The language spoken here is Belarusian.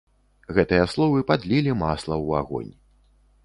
Гэтыя словы падлілі масла ў агонь.